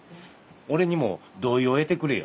俺にも同意を得てくれよ。